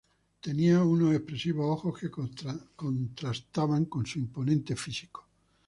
Tenía unos expresivos ojos que contrastaban con su imponente físico.